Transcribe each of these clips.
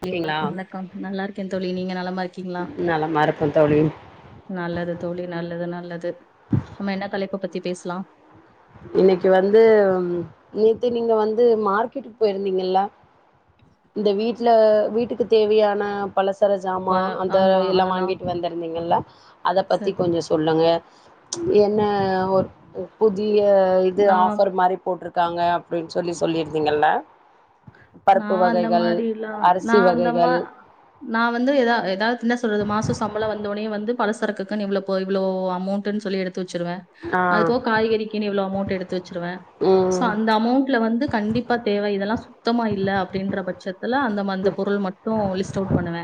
தோழி இருக்கீங்களா வணக்கம் வணக்கம் நல்லா இருக்கேன் தோழி நீங்க நல்லமா இருக்கீங்ளா நலமா இருக்கோ தோழி நல்லது தோழி நல்லது நல்ல து நம்ம என்ன தலைப்புப் பத் த்தி பேஸ்லா இன்னிக்கு வந்து நேத்து நீங்க வந்து மார்க்கெட்டுக்கு போயிருந்தீங்கல்ல இந்த வீட்ல வீட்டுக்கு தேவையான பலசர ஜாமா வ அந்த ஆமா எல்லா அதெல்லா வாங்கிகிட்டு வந்துருந்தீங்கள்ள அத பத்தி சரி கொஞ்ச சொல்லுங்க ச [inaudible] என்ன ஒர் உப்புதி இங்க இது நா ஆஃபர் மாரி போட்ருக் இருக்காங்க அப்புடின் சொல்லி சொல்லிருந்தீங்கல்ல நா அந்த மாரிலா நா அரிசி அந்த மா வகைகள் நா வந்து எதா எதாச்சுனா சொல்றது மாசோ சம்பளோ வந் வந்த ஒடனயே வந்து பலசரக்குக்குனு இவ்ளோ போய் இவ்ளோ அமௌட்ன் சொல்லி எடுத்து வெ ச்சுருவ ஆ அது போ காய்கறிக்குன் இவ்ளோ அமௌண்டு எடுத்து வெச்சுருவ சோ ம் அந்த அமௌண்டுல வந்து கண்டிப்பா தேவ இதெல்லாஸ் சுத்தமா இல்ல அப்டின்ற பட்சத்துல அந்தம அந்த பொருள் மட்டு லிஸ்ட் அவுட் பண்ணுவ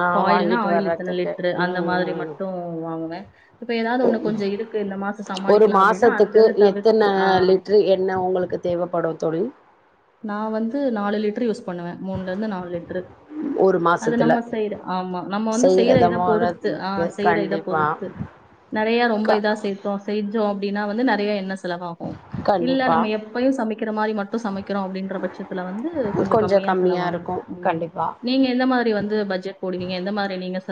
ஆ இப்ப ஆயில்னா வாங்கிட்டு ஆயில் இத்தன வர்றதுக்கு லிட்டுரு அந்த ம் மாரி ம் மட்டு வாங்குவ [inaudible] ஒரு அப்படின்னா அந்த மாசத்துக்கு இதை தவிர்த்து எத்தன ஆஹ் லிட்ரு எண்ண உங்களுக்கு தேவப்படு தோழி நா வந்து நாலு லிட்ரு யூஸ் பண்ணு மூண்ல இருந்து நாலு லிட்ரு ஒரு அது மாசத்துல நம்ம செய்ற ஆமா நம்ம வந்து செய்ற இத செய்றதமோல பொறுத்து ஆ க்கு செய்ற இத கண்டிப்பா பொறுத்து நெறய ரொம்ப க இதா சேத்தோ செயின் செஞ்சுவோ அப்புடின்னா வந்து நெறய என்னஸ் செலவாகு இல்ல கண்டிப்பா நம்ம எப்பயு சமைக்கிற மாரி மட் ட்டு சமை க்குறோ அப்புடின்ற பட்சத் துல வந்து கொஞ்ச கம்மியா செலவாகு ம் நீங்க எந்த மாதிரி வந்து பட்ஜெட் போடுவீங்க எந்த மாரி நீங்கஸ்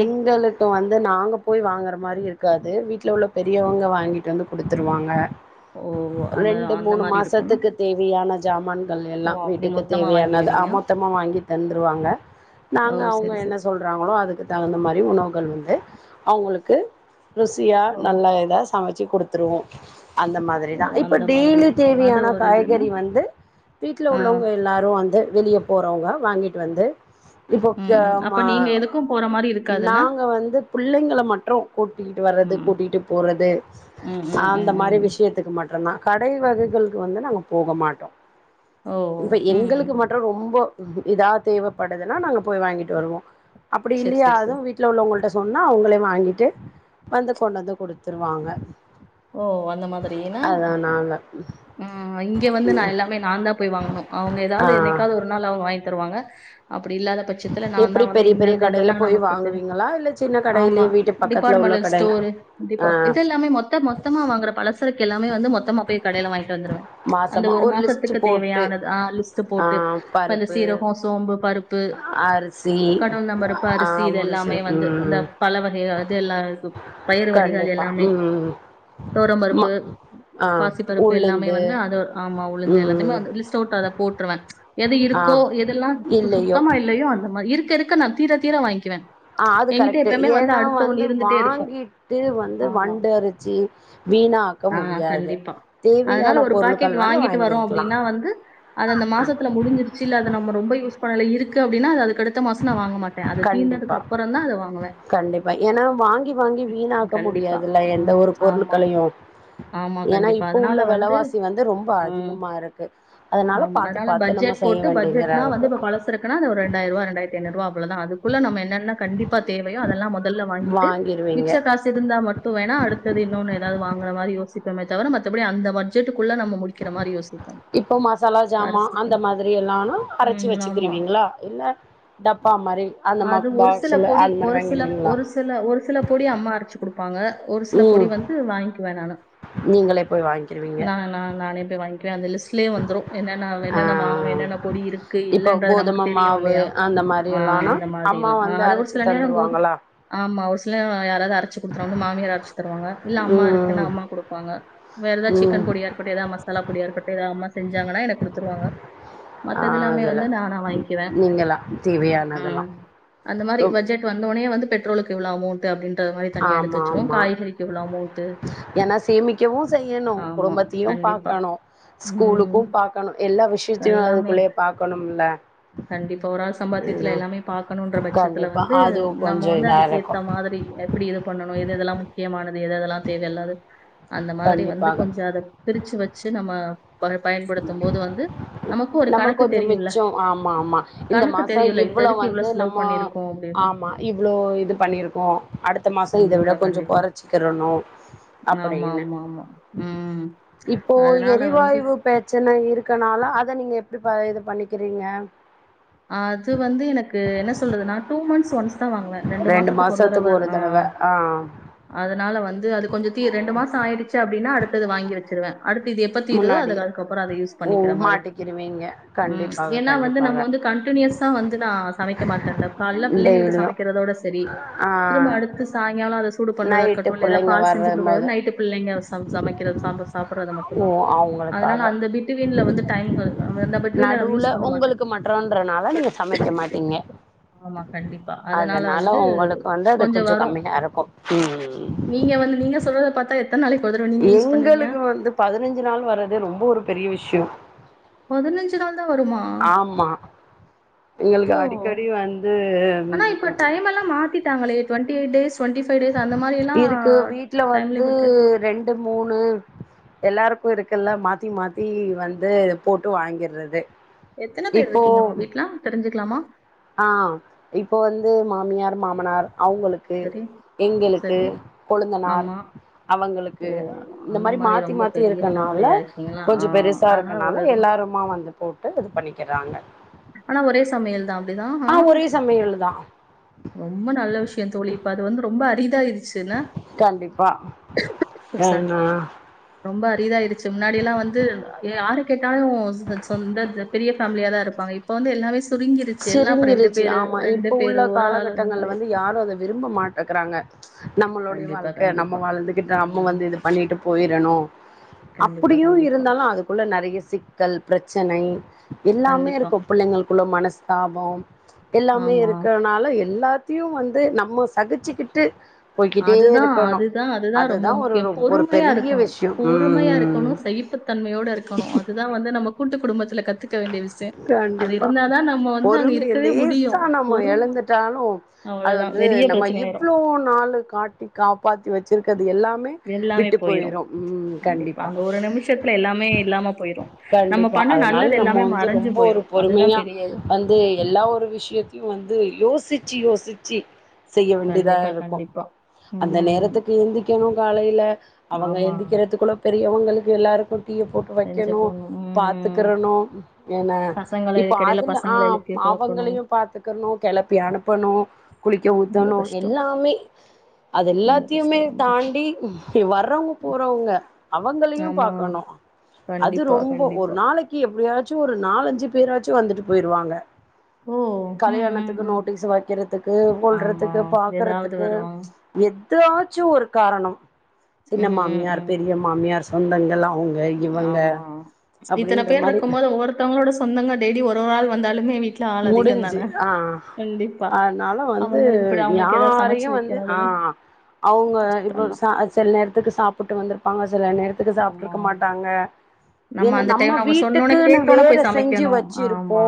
எங்களுக்கு வந்து நாங்க போய் வாங்குற மாரி இருக் க்காது வீட்ல உள்ள பெரியவங்க வாங்கிட்டு வந்து குடுத்துருவாங்க ஓ அந்த ரெண்டு அந்த மூணு மாதிரி இருக்கும் மாசத்துக்கு தேவையான ஜாமான்கள் ஓ எல்லா அப்டி வீட்டுக்கு மொத்தமா தேவையானத அ வாங்கிருவீங்க மொத்தமா வாங்கி தந்துருவாங்க ஓ நாங்க அவங்க சரி என்ன சரி சொல்றாங்களோ அதுக்கு ந்த மாதிரி உணவுகள் வந்து அவங்குளுக்கு ருசியா ஓ நல்ல ஏதா சமச் க்கி கொடுத்துருவோ அந்த ஓ மாதிரிதா இப்ப அந்த மாதிரி டெய்லி இருக்கு அது தேவையான ஒரு இதுன்னா காய்கறி வந்து வீட்ல ஆ உள்ளவங்க எல்லாரு வந்து வெளியே போறவங்க வாங்கிட் வந்து இப்போ ம் க ம் அப்ப மா நீங்க எதுக்கு போற மாரி இருக் நாங்க வந்து புள்ளங்கல மட்ரு கூட்டிடு வறது ம் கூட்டிடு போறது ம் ம் அந்த ம் மாரி ம் விஷயதுக்கு மட்டுந்தா கடை வகைகள்க்கு வந்து நாங்க போக மாட்டோ ஓ இப்ப ம் ம் எங்களுக்கு மட்டு ரொம்போ இதிதா தேவைப்படுதுன்னா நாங்க போய் வாங்கிட்டு வருவோ அப் சரி சரி இல்லையாது சரி வீட்ல உள்ளவங்கல்ட்ட சொன்னா அவுங்களே வாங்கிட்டு வந்து கொண்டுந்து கொடுத்துருவாங்க ஓ அந்த மாதிரியினா நாங்க ஆ இங்க வந்து நா எல்லாமே நாந்தா போய் வாங்கணு அவங்க ஆ ஏதாவது என்னைக்காவது ஒரு நாள் அவங்க வாங்கி தருவாங்க அப் ப்டி இல்லாத பட்சத்துல நா தா எப்படி வந்து பெரிய பெரிய இந்தந்த கடையில இதெல்லா போய் நமக்கு தெரிஞ் வாங்குவீங்களா இல்ல சின்ன ஆமா கடையிலயே வீட்டு பக்கத்துல உள்ள டிபார்ட்மெண்ட் கடையில ஸ்டோர் ஆ இதெல்லாமே மொத்தொ ப்ர பழஸ் ரக்கு எல்லாமே வந்து மொத்தமா பே கடையில வாங்கிட்டு வந்துடுவே அந்த மாசமா ஒரு லிஸ்ட் மாசத்துக்கு போட்டு தேவையான லிஸ்டு ஆ போட்டு பருப்பு சீரகம் சோம்பு பருப் பருப்பு அரிசி கடுகு உளுந்த பருப்பு ஆ அரிசி இது ஒரு சி எல்லாமே வந்து அந்த ம் பழ வகைகள் அது எல்லா பயர் வகைகள் கண்டிப்பா எல்லாமே ம் தொவரம் மா பருப்பு ஆ பாசி பருப்பு எல்லாமே உளுந்து வந்து அது ஆமா உளுந்து எல்லாத்தையுமே ம் லிஸ்ட் அவுட் அத போட்டுருவே எது ஆ இருக்கோ எதெல்லா இல்லையோ சுத்தமா இல்லையோ அந்த மாதி இருக்க இருக்க நா தீர தீர வாங்கிவே அ அது கரெக்ட் ஏன்னா வந்து இருந்துட்டே இருக்கும் வாங்கிட்டு வந்து ஆமா வண்டுரிசி ஆ கண்டிப்பா அதுனால தேவையான ஒரு பொருட்கள் பாக்கெட் வந்து வாங்கிட்டு வருறோ வாங்கிருக்கலா அப்டின்னா வந்து அது அந்த மாசத்துல முடிஞ்சிருச்சு இல்ல அத நம்ம ரொம்ப யூஸ் பநால இருக்கு அப்டின்னா அது கடுத்த மாச நா வாங்க மாட்டே அத தீந்ததுக்கு கண்டிப்பா அப்றந்தா அத வாங்குவே கண்டிப்பா ஏன்னா வாங்கி வாங்கி வீணாக்க கண்டிப்பா முடியாதுல்ல எந்த ஒரு ஆமா. பொருட்களையு ஆமா ஏன்னா கண்டிப்பா. இப்ப அதனால உள்ள விலைவாசி வந்து ம். அதிகமா இருக்கு அதனால ஆமா. பாத்து பாத்து நம்ம பட்ஜெட் செய்ய போட்டு வேண்டிங்கரா பட்ஜெட்னா இருக்கு ண்டயத்ரூா்வ அவ்ளதா அதுக்குள்ள நம்ம என்னென்ன கண்டிப்பா தேவையோ அதெல்லா ம முதல்ல வாங்கிட்டு வாங்கிருவீங்க மிச்ச காசு இருந்தா மட்டு வேன்னா அடுத் தது இன்னோன்னு ஏதாது வாங்கற மாதிரி யோசிப்பமே தவர மத்தபடி அந்த பட்ஜெட்டுக் இப்போ மசாலா ஜாமான் அரிசிக்கு. அந்த மாதிரி எல்லான அரைச்சு ம். ஆமா. வச்சுக்கிருவீங்களா இல்ல டப்பா மாரி அந்த அது ஒரு சில பாக்ஸ்ல பொடி அந்த மாதிரி ஒரு சில வாங்கிடுவீங்களா ஒரு சில ஒரு சில பொடி அம்மா அரைச்சு குடுப்பாங்க ஒரு சில பொடி ம் வந்து வாங்கிக்குவே நானு நீங்களே போய் வாங்கிருவீங்க நா நா நானே போய் வாங் கிக்வே அந்த லிஸ்ட்லயே வந்துரு என்னென்ன ஆ என்னென்ன வாங்கணு என்னென்ன பொடி இருக்கு இப்போ இல்லன்றது நமக்கு கோதும தெரியு மாவு இல்லயா அந்த மாரி ஆ எல்லாம்னா அந்த மாரி அம்மா எல்லா ஆ வந்து அது ஒரு அரைச்சி சில நேரங்கும்போது தந்துருவாங்களா ஆமா ஒரு சி இல்லம்மா யாராது அரைச்சு குடுத்துரு ஒன்னு மாமியார் அரைச்சு தருவாங்க இல்ல அம்மா இருக்குன்னா ம் அம்மா குடுப்பாங்க வேற ஏதா ம் சிக்கன் பொடியா இருக்கட்டு எதா மசாலா பொடியா இருக்கட்டு அம்மா செஞ்சாங்கன்னா எனக்கு குடுத்துருவாங்க. ஆ மத்தது எல்லாமே அதுல வந்து நா நா வாங்கிக்குவே நீங்களா ம் தேவையானதெல்லாம் அந்த மாரி ரொம் பட்ஜெட் வந்துவுன்னயே வந்து பெட்ரோலுக்கு இவ்ளோ அமௌண் ட்டு அப்டின்ற மாரி தனியா எடுத்து ஆமா வச்சுருவோ ஆமா காய்கறி ஏன்னா சேமிக்கவு செய்யணு ஆமா. குடும்பத்தயு கண்டிப்பா. பாக்கணு ம். ஸ்கூலுக்கு பாக்கணு எல்லா விஷயத்தயு எல்லாமே. அதுக்குள்ளயே பாக்கணும் இல்ல கண்டிப்பா. ஒரு ஆள் சம்பாத்தியத்துல எல்லாமே பாக்கணுன்ற பட்சத்துல வந்து அது நம்ம கொஞ்சோ வந்து இதா அதுக்கு இருக்கு ஏத்த மாதிரி எப்டி இது பண்ணணு எது எதெல்லா மு க்கியமான து எது எதெல்லா தேவையில்லாதது அந்த மாதிரி வந்து கண்டிப்பாக கொஞ்ச அத பிரிச்சு வச்சு நம்ம ப பயன்படுத்தும்போது வந்து, நமக்கும் ஒரு நம்மளு கணக்கு கொஞ்சோ தெரியும்ல. மிச்சோ ஆமா ஆமா இந்த கணக்கு மாசோ தெரியும்ல. இந்த இவ்வளவு இதுக்கு இவ்ளோ வந்து செலவு நம்மோ பண்ணியிருக்கோம் அப்டின்னு. ஆமா இவ்ளோ இது பண்ணிருக்கோ அடுத்த மாசோ இத விட கண்டிப்பா, கொஞ்சோ கண்டிப்பா. கொற ச்சுகிறணு ஆமா, அப்படின்னு ஆமா, ஆமா. ம். இப்போ அதனால வந்து எரிவாய்வு பிரச்சன இருக்கனால அத நீங்க எப்டி ஆ இது பண்ணிக்கிறீங்க? அது வந்து எனக்கு என்ன சொல்றது நா டூ மந்த்ஸ் ஒன்ஸ் தா வாங்குவே ரெண்டு மாசத்துக்கு ஒரு தடவ ஆ ஆ அதனால வந் து அது கொஞ்ச தீ ரெண்டு மாசோ ஆயிடுச்சு அப்டின்னா அடு த்தது வாங்கி வச்சிருவே. அடுத்து இது எப்ப தீருதோ முன்னாடி அதுக்கு அதுக்கப்புறோ அத யூஸ் ஓ பண்ணிக்கிற மாரி மாட்டிக்கிருவீங்க ம் கண்டிப்பாக ஏன்னா வந்து நம்ம கண்டிப்பாக வந்து கன்டினியூஸா வந்து நா சமைக்க மாட்டேன்ல காலைல பிள்ளைங்களுக்கு டெய்லியு சமைக்கிறதோட சரி ஆ திரும்ப அடுத்து சாயங்காலோ அத சூடு பண்றதா நைட்டு இருக்கட்டு இல்ல எதா பிள்ளைங்க பால் செஞ்சு வரும்போது குடுக்கறது நைட்டு பிள்ளைங்க சமச் சமைக்கறது சாப்ட சாப்படறது ஓ மட்டுந்தா அதனால அவங்களுக்காக அந்த பிட்வீன்ல வந்து டைம் அ அந்த பிட்வீன்ல நா யூஸ் பண்ண மாட்டே டுன்றனால நீங்க சமைக்க மாட்டீங்க ஆமா கண்டிப்பா. அதனால வந்து உங்களுக்கு வந்து அது கொஞ்சம் கொஞ்சோ வரும். கம்மியா இருக்கு ம் ம் ம் நீங்க வந்து நீங்க சொல்றத பார்த்தா எத்தன நாளைக்கு ஒரு தடவ நீங்க யூஸ் பண்ணுவீங்க? எங்களுக்கு வந்து பதனஞ்சு நாள் வரதே ரொம்ப ஒரு பெரிய வி ஷயோ பதினஞ்சு நாள்தா வருமா? ஓ எங்களுக்கு அடிக்கடி வந்து ஆனா இப்ப டைம் எல்லா மாத்திட்டாங்களே டுவென் ட்டி டேஸ் டேஸ் அந்த மாரிலாம் இருக்கு வீட்ல டைம் வந்து லிமிட். ரெண்டு மூணு எல்லாருக்கு இருக்குல்ல மாத்தி மாத்தி வந்து போட்டு வாங்கிர்றது எத்தன பேர் இருக்கீங்க உங்க வீட்ல தெரிஞ்சு க்கலாமா? ஆ இப்ப வந்து மாமியார் மாமனார் அவுங்களுக்கு சரி, எங்களுக்கு சரி. கொழுந்தனார் ஆமா. அவுங்களுக்கு ஓ! இந்த அந்த மாரி மாத்தி ரொம்ப மாத்தி பெரிய இருக்கனால ஃபேமிலியா இருக்கீங்களா? கொஞ்ச ஆ பெருசா அதனால இருக்கனால ஒரு இதுவும் எல்லாருமா வந்து போட்டு இது பண்ணிக்கறாங்க ஆனா ஒரே சமையல் தா அப்டிதா ஹா ஒரே சமையல் தா ரொம்ப நல்ல விஷயோ தோழி இப்ப அது வந்து ரொம்ப அரிதாயிரு ச்சில்ல கண்டிப்பா சாரி ஏன்னா ரொம்ப அரிதாயிருச்சு முன்னாடி எல்லா வந்து ஏ யாரு கேட்டாலு ச சொந்த பெ பெரிய பேஃமிலியாதா இருப்பாங்க இப் ப வந்து எல்லாமே சுருங்கிருச்சு பேரு, ஆமா இப்ப பேரு, உள்ள ஒரு ஆள் அந்த காலகட்டங்கள்ல மாரி. வந்து யாரு அத விரும்ப மாட்டங்கறாங்க. நம்மளுடைய கண்டிப்பா, வாழ்க்க நம்ம கண்டிப்பா. வாழ்ந்துகிட்டு நம்ம ம். வந்து இது பண்ணிட்டு போயி ரணு கண்டிப்பா, அப்படியு கண்டிப்பா. இருந்தாலு அதுக்குள்ள நெறைய சிக் கல் பிரச்சனை எல்லாமே கண்டிப்பா. இருக்கும் பிள்ளைங்களுக்குள்ள மனஸ் தாபம் எல்லாமே ஆமா. இருக்கனால எல்லா த்தையு வந்து நம்ம சகிச்சுக்கிட் அதுதா அதுதா அதுதா ரொம்ப ஒரு முக்கியோ. ஒரு பொறுமையா பெரிய இருக்கணு விஷயோ பொறுமையா இருக்கணு ம் சகிப்புத் தன்மையோட இருக்கணு அதுதா வந்து நம்ம கூட்டு குடும்பத் துல கத்துக்க வேண்டிய விஷயோ. அது கண்டிப்பா இருந்தாதா நம்ம வந்து அங்க பொறுமைய இருக்கவே முடியு. லேசா நம்ம பொறும எழந்துட்டாலு அவ்வளவுதா பெரிய பிரச்சனை ஆயிடு. ளு காட்டி காப்பாத்தி வச்சிருக்கிறது எல்லாமே எல்லாமே விட்டு போயிரும். போயிரு ம் கண்டிப்பா அந்த ஒரு நிமிஷத்துல எல்லாமே இல்லாம போயிரும். நம்ம கண்டிப்பா பண்ண அதனா ல நல்லது நம்ம எல்லாமே வந்து மறைஞ்சு ரொம்ப ஒரு போயிரும். அதுதான் பொறுமையா பெரிய இது. வந்து எல்லா ஒரு விஷயத்தையு வந்து அ யோசிச்சி யோசிச்சி செய்ய வேண்டியதா கண்டிப்பா, இருக்கு. கண்டிப்பா. அந்த ம். நேரத்துக்கு எந்திக்கணு காலையில அவங்க ஆமா. எந்திரிக்கிறதுக்குள்ள பெரியவங்களு க்கு எல்லாருக்கு டீய போட்டு செஞ்சு வைக்கணு போணும். பாத்து ம். க்கிறணு என்ன பசங்கள இப்ப இதுக்கிடையில அதுல ஆ பசங்கள எழுப்பி ப் கிளப்பணும். அவுங்களையு பாத்துக்கிறணு கெளப்பி அனுப்பனு குளிக்க ரொம்ப ஊத்தணு கஷ்டம். எல்லாமே அது ரொம்ப எல்லாத்தையுமே கஷ்டம், ரொம்ப கஷ்டம். தாண்டி வர்றவங்க ம். போறவங்க அவுங்களையு ஆமா. பாக்கணு. அது கண்டிப்பா, ரொம்ப ஒரு கண்டிப்பா. நாளைக் எப்டியாச்சு ஒரு நாலஞ்சு பேராச்சு வந்துட்டு போயிருவாங்க. ஓ! ம், ம், கல்யாணத்துக்கு ம். நோட்டீஸ் வக்கிறதுக்கு ஆமா. கொல்றதுக்கு ஏதாவது பாக்கறதுக்கு வருவாங்க. எப் தாச்சும் ஒரு காரணம் சின்ன ம், ம், மாமியார் ம். பெரிய மாமியார் சொந்தங்கள்லாம் அவுங்க இவங்க ஆமா. இத்தன அப்டின் பேர் இருக்கும் போது ஒவ்வொருத்தவங்கலோட சொந்த டெய்லி ஒரு ஒரு ஆள் வந்தாலுமே வீட்ல ஆள் அதிகம் முடிஞ்சு தான. ஆ கண்டிப்பா. அதனால வந்து அவங்களுக்கு இப்படி அவங்களுக்கு ஏதாவது சமைச்சு யாரையு வந்து வைக்கிறது ஆ அவங்க இப்ப கஷ்டம்தான் ச சில நேரத்துக்கு சாப்புட்டு வந்திருப்பாங்க சில க்கு ஆமா சாப்புட்டுருக்க மாட்டாங்க ஏன்ன அந்த நம்ம டைம்ல அவங்க சொன்னோன்னே வீட்டுக்குன்னு கேட்டோன்னே வேற போய் செஞ்சு சமைக்கணும் வச்சிருப்போ ஆமா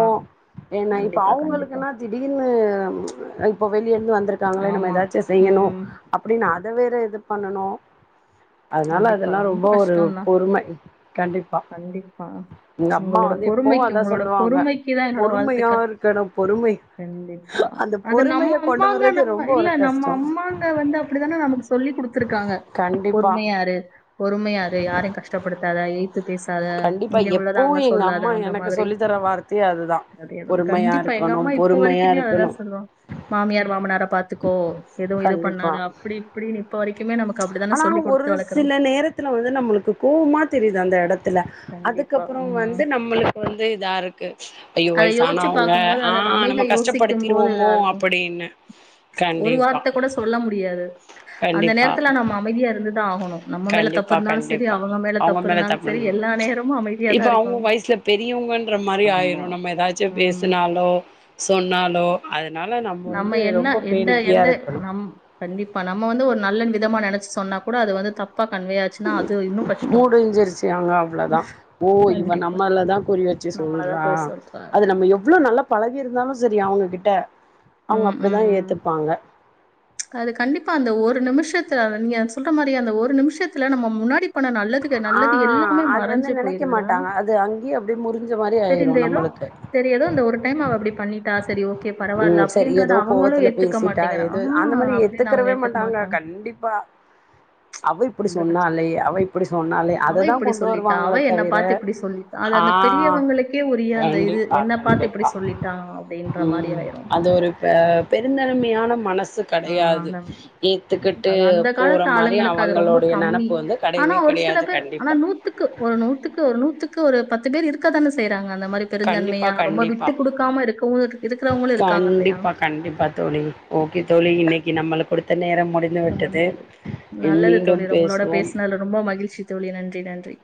ஏன்ன இப்ப கண்டிப்பா கண்டிப்பா அவங்களுக்குனா திடீர்னு இப்ப வெளியே ருக்காங்கள நம்ம ஆமா ஏதாச்சு செய்யணு ம் அப்டின்னு அத வேற இது பண்ணணு அதனால கண்டிப்பா அதெல்லா ரொம்ப ஒரு கஷ்டம்தான் பொறுமை கண்டிப்பா கண்டிப்பா எங்க அம்மா உங்களோட வந்து எப்பவு பொறுமைக்கு அதா உங்களோட சொல்லுவாங்க பொறுமைக்கு தான் என்னோட பொறுமையா வாழ்த்துக்கள் இருக்கணு பொறுமை கண்டிப்பா அந்த அது நம்ம பொறுமைய கொண்டு அம்மாங்க வர்றது நம்ம ரொம்ப இல்ல ஒரு நம்ம கஷ்டோ அம்மாங்க வந்து அப்டிதான நமக்கு சொல்லி கொடுத்திருக்காங்க ஒரு கண்டிப்பா உமையாரு பொறுமையாரு யாரும் கஷ்டப்படுத்தாதா எய்த்து பேச அத கண்டிப்பா இங்க உள்ளத எப்பவு அங்க எங்க சொல்லாத அம்மா அந்த எனக்கு மாதிரி சொல்லி தர வார்த்தையே அதுதா அதேதா பொறுமையா கண்டிப்பா எங்க இருக்கணு அம்மா இப்ப பொறுமையா வரைக்குமே அததா இருக்கணு சொல்வாங்க மாமியார் மாமனார பாத்துக்கோ எதுவு இது கண்டிப்பா பண்ணாதே அப்டி இப்டின்னு இப்ப வரைக்குமே நமக்கு அப்டித்தானே ஆனா சொல்லி கொடுத் ஒரு சில நேரத்துல வந்து நம்மளுக்கு கோவமா தெரிதா ந்த எடத் ல கண்டிப்பா. அதுக்கப்பற ம். வந்து நம்மளுக்கு வந்து இதா இருக்கு ஐயோ அத யோசிச்சு வயசானவங்க பார்க்கும்போது, ஆ அத நம்ம அமைதியா யோசிக்கும்போது இதா கஷ்டப்படுத்திருவோமோ இருக்கும். அப்படின்னு ஒரு கண்டிப்பா வார்த்தை கூட சொல்ல முடியாது. கண்டிப்பா தா ஆகணு நம்ம மேல தப்பு இருந்தாலு சரி அவங்க மேல தப்பு இருந்தாலு சரி எல்லா நேரமும் அமைதியா இப்ப தான் அவங்க இருக்கணும். வயசுல பெரியவங்கன்ற மாரி ஆமா. ஆயிரு நம்ம ஏதாச்சும் ம். பேசினாலோ சொன் நாலோ அத னால நம்ம வந்து என்ன ரொம்ப எந்த பேணிக்கியா எந்த இருக்கணு நம் கண்டிப்பா நம்ம வந்து ஒரு நல்ல விதமான நெனச்சு சொன்னா கூட அது வந்து தப் மூடிஞ்சிருச்சு அங்க அவ்ளதா ஓ இவ கண்டிப்பா. நம்மளதா குறி வச்சு நம்மள தான் சொல்றா குறை சொல்றாங்க. அது நம்ம எவ்ள நல்லா பழகியிருந்தாலு சரி அவுங்ககிட்ட அவங்க ம், அப்டிதா ம், ம். ஏத்துப்பாங்க அது கண்டிப்பா அந்த ஒரு நிமிஷத்த நீங்க சொல்ற மாரிய அந்த ஒரு நிமிஷத்துல நம்ம முன்னாடி பண்ண நல்லது ஆ நல்லது எல்லாமே அது வந்து மறைஞ்சு நினைக்க போயிருதுலா மாட்டாங்க அது அங்கேயே அப்படியே முறிஞ்ச மாதிரி தெரி இந்த ஆயிரும் ஏதோ நம்மளுக்கு தெரி ஏதோ இந்த ஒரு டைம் அவ அப்படி பண்ணிட்டா சரி ஓகே பரவாயில்ல ம் சரி அப்டின்றத ஏதோ அவங்களு கோவத்துல எத்துக்க பேசிட்டா மாட்டேங்கிறாங் ஏதோ அந்த மாதிரி ஏத்துக்கறவே மாட்டாங்க கண்டிப்பா அவ இப்படி ரொம்ப கஷ்டம். சொன்னாலே அவ இப்படி சொன்னாலே அவ அததான் இப்படி கொண்டு சொல்லிட்டா வருவாங்கள அவ என்ன தவிர பாத்து இப்படி சொல்லிட்டா அது அந்த ஆஹ பெரியவங்களுக்கே உரிய அந்த இது கண்டிப்பா என்ன பாத்து இப்படி கண்டிப்பா சொல்லிட்டான் அப்படின்ற மாதிரி உம் ஆயிரும் அது ஒரு பெருந்தன்மையான மனசு ஆஹ் கெடையாது ஆ ஏத்துக்கிட்டு அது அந்த போற காலத்து மாரி ஆளுங்களுக்கு அது ரொம்ப அவங்களுடைய கம்மி நெனப்பு வந்து ஆனா கெடையவே ஒரு சில கெடையாது பேர் ஆனா கண்டிப்பா நூத்துக்கு ஒரு நூத்துக்கு ஒரு நூத்துக்கு ஒரு பத்து பேர் இருக்க தானு செய்றாங்க அந்த மாதிரி கண்டிப்பா பெருந்தன்மையா ரொம்ப விட்டு கண்டிப்பா கொடுக்காம இருக்கவ இருக்கிறவங்களும் இருக்காங்க இல்லையா கண்டிப்பா கண்டிப்பா தோழி ஓகே தோழி இன்னைக்கு நம்மளுக்கு கொடுத்த நேரம் முடிந்து விட்டது முடிஞ்சது நல்லது மீண்டும் தோழி உங்களோட பேசுவோம் பேசுனதுல ரொம்ப மகிழ்ச்சி தோழி நன்றி நன்றி